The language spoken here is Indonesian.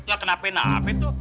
gak kenapain apain tuh